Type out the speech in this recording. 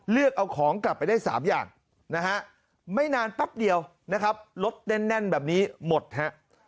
เลือกเอาของกลับไปได้๓อย่างนะฮะไม่นานแป๊บเดียวนะครับรถแน่นแบบนี้หมดฮะ